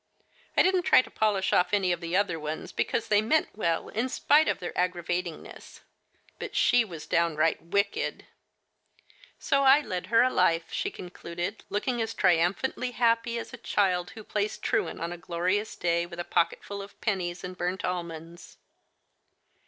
I didn't try to polish off any of the other ones, because they meant well in spite of their Digitized by Google HELEN MATHERS. 9 aggravatingness, but she was downright wicked. So I led her a life/' she concluded, looking as tri umphantly happy as a child who plays truant on a glorious day with a pocketful of pennies and burnt almonds.